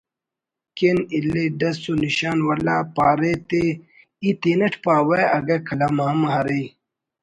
کن اِلے ڈس و نشان والا پارے تے ای تینٹ پاوہ اگہ قلم ہم ارے